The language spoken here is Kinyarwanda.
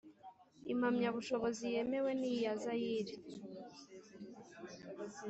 impamyabushobozi yemewe niya zayire